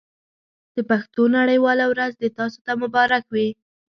د پښتو نړۍ واله ورځ دې تاسو ته مبارک وي.